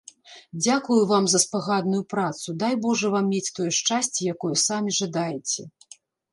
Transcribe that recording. Дзякую вам за спагадную працу, дай божа вам мець тое шчасце, якое самі жадаеце.